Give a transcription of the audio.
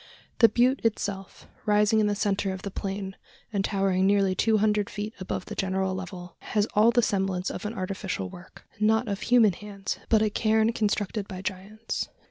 The butte itself, rising in the centre of the plain, and towering nearly two hundred feet above the general level, has all the semblance of an artificial work not of human hands, but a cairn constructed by giants.